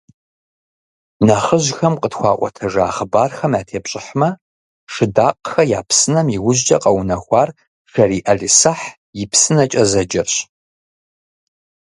Нэхъыжьхэм къытхуаӏуэтэжа хъыбархэм ятепщӏыхьмэ, «Шыдакъхэ я псынэм» иужькӏэ къэунэхуар «Шэрий ӏэлисахь и псынэкӏэ» зэджэрщ.